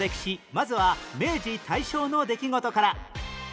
まずは明治・大正の出来事から